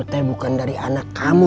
tidak dari anak kamu